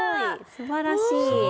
すばらしい。